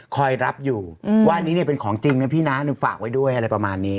คอยรับอยู่ว่าอันนี้เนี่ยเป็นของจริงนะพี่นะฝากไว้ด้วยอะไรประมาณนี้